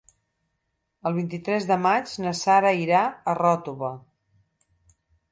El vint-i-tres de maig na Sara irà a Ròtova.